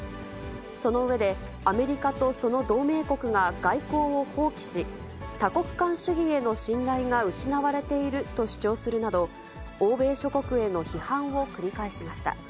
その上で、アメリカとその同盟国が外交を放棄し、多国間主義への信頼が失われていると主張するなど、欧米諸国への批判を繰り返しました。